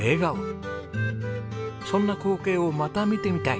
そんな光景をまた見てみたい。